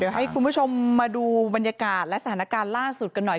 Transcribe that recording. ให้คุณผู้ชมมาดูบรรยากาศและสถานการณ์ล่าสุดกันหน่อย